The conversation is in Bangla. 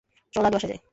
চল আগে বাসায় যাই!